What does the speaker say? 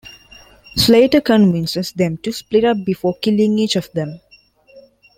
Slater convinces them to split up before killing each of them.